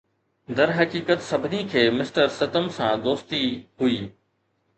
درحقيقت، سڀني کي مسٽر ستم سان دوستي هئي